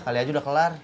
kali aja udah kelar